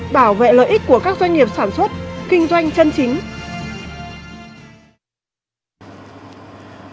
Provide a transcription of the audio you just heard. bảo vệ lợi ích của các doanh nghiệp sản xuất kinh doanh chân chính